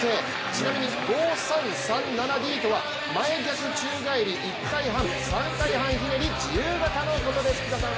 ちなみに５３３７Ｄとは前逆宙返り１回半３回半ひねり自由型のことです。